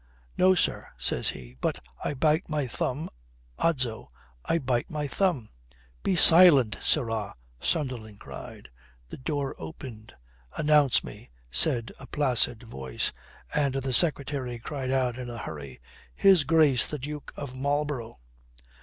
No, sir, says he, but I bite my thumb. Odso, I bite my thumb." "Be silent, sirrah," Sunderland cried. The door opened. "Announce me," says a placid voice, and the secretary cried out in a hurry: "His Grace the Duke of Marlborough."